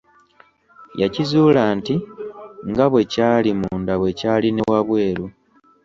Yakizuula nti nga bwe kyali munda bwe kyali ne wabweru.